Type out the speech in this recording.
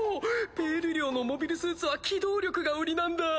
ペイル寮のモビルスーツは機動力が売りなんだ。